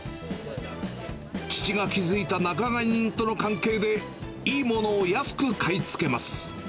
父が築いた仲買人との関係で、いいものを安く買い付けます。